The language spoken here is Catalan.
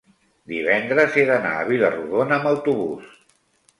divendres he d'anar a Vila-rodona amb autobús.